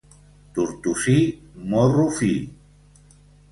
Tortosí, morro fi.